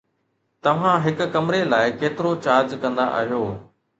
توهان هڪ ڪمري لاء ڪيترو چارج ڪندا آهيو؟